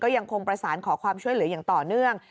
ยังคงประสานขอความช่วยเหลืออย่างต่อเนื่อง